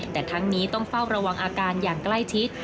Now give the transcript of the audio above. แต่ทั้งนี้ต้องเฝ้าระวังอาการอย่างใกล้ชิด